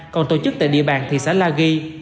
còn tổ chức tại địa bàn thị xã la ghi